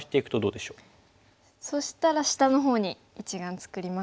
そしたら下のほうに一眼作ります。